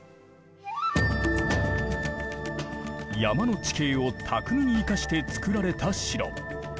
山の地形を巧みに生かして造られた城。